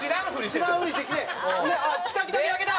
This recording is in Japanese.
あっ来た来た来た来た！